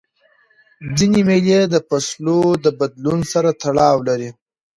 ځیني مېلې د فصلو د بدلون سره تړاو لري.